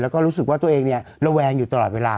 แล้วก็รู้สึกว่าตัวเองระแวงอยู่ตลอดเวลา